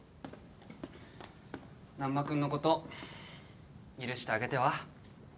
難破君のこと許してあげては？